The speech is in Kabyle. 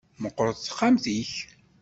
Meqqret texxamt-ik.